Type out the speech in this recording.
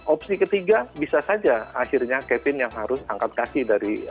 opsi ketiga bisa saja akhirnya kevin yang harus angkat kaki dari